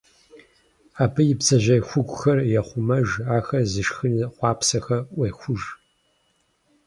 Абы и бдзэжьей хугухэр ехъумэж, ахэр зышхыну хъуапсэхэр Ӏуехуж.